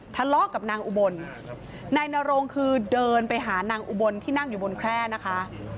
ทะเลาะกับนางอุบลนายนโรงคือเดินไปหานางอุบลที่นั่งอยู่บนแคร่นะคะ